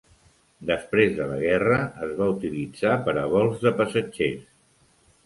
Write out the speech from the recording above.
Després de la guerra es va utilitzar per a vols de passatgers.